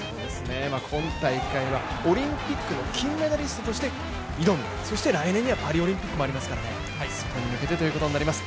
今大会はオリンピックの金メダリストとして挑む、そして来年にはパリオリンピックもありますからね、そこに向けてということになります。